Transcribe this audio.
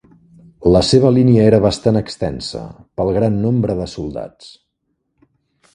La seva línia era bastant extensa, pel gran nombre de soldats.